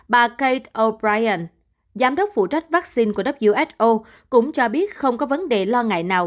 bà katol brien giám đốc phụ trách vaccine của who cũng cho biết không có vấn đề lo ngại nào